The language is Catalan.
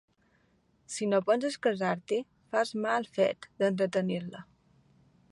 Si no penses casar-t'hi, fas mal fet d'entretenir-la.